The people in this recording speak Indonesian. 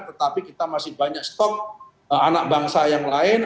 tetapi kita masih banyak stok anak bangsa yang lain